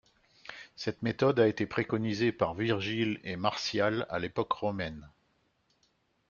Cette méthode a été préconisée par Virgile et Martial à l'époque romaine.